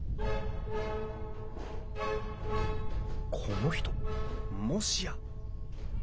この人もしや！